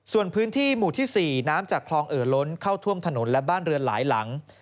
ส่วนพื้นที่หมู่ที่๔น้ำจากคลองเอ่อล้นเข้าท่วมถนนและบ้านเรือนหลายหลัง